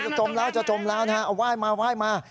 จมแล้วจะจมแล้วนะฮะเอาไหว้มาไหว้มา